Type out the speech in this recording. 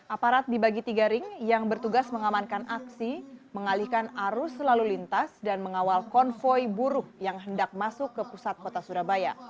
aparat dibagi tiga ring yang bertugas mengamankan aksi mengalihkan arus lalu lintas dan mengawal konvoy buruh yang hendak masuk ke pusat kota surabaya